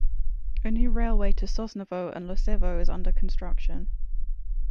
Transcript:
A new railway to Sosnovo and Losevo is under construction.